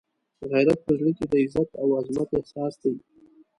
غیرت په زړه کې د عزت او عزمت احساس دی.